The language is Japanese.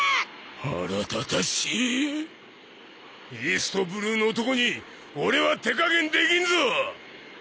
腹立たしいイーストブルーの男に俺は手加減できんぞ！